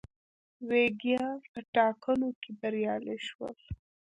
ویګیان په ټاکنو کې بریالي شول.